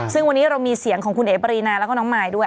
ซึ่งวันนี้เรามีเสียงของคุณเอ๋ปรีนาแล้วก็น้องมายด้วย